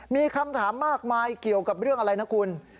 มีคำถามมากมายเกี่ยวกับเรื่องอะไรนะคุณ